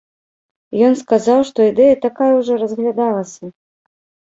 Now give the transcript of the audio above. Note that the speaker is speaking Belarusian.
Ён сказаў, што ідэя такая ўжо разглядалася.